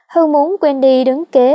hương muốn wendy đứng kế